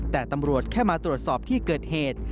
แต่ตำรวจแค่มาตรวจสอบที่เกิดเหตุ